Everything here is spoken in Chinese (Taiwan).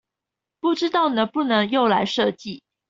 不知道能不能用來設計？